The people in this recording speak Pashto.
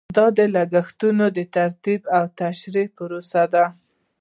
دا د لګښتونو د ترتیب او تشریح پروسه ده.